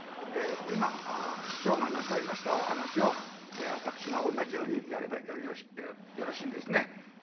今師匠がなさいましたお噺を私が同じようにやればよろしいんですね？